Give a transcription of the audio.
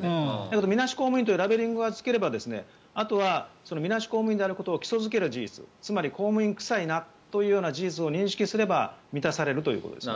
だけど、みなし公務員というラベリングをつければあとはみなし公務員であることを基礎付ける事実つまり公務員臭いなという事実を認識すれば満たされるということです。